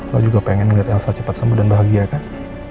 lo juga pengen melihat elsa cepat sembuh dan bahagia kan